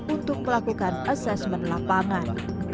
untuk melakukan asesmen lapangan